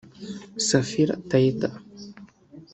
Saphir Taider